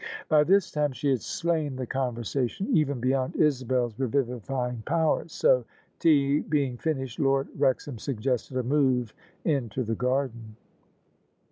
By this time she had slain the conversation even beyond Isabel's revivifying powers: so — tea being finished — Lord Wrexham suggested a move into the garden.